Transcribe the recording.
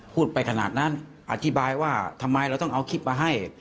พูดไปขนาดนั้นอธิบายว่าทำไมเราต้องเอาคลิปมาให้